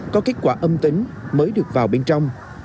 có kết quả âm tính mới được vào bên trong